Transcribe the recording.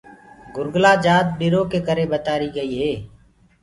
گُرگلآ جآت ڏِرو ڪي ڪري ٻتآريٚ گئيٚ هي۔